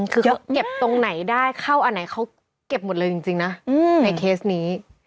คือเขาเก็บตรงไหนได้เข้าอันไหนเขาเก็บหมดเลยจริงนะในเคสนี้